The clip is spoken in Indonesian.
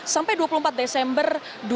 sampai dua puluh empat desember dua ribu tujuh belas